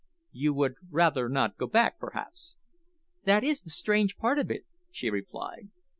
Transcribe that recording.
"You would rather not go back, perhaps?" "That is the strange part of it," she replied.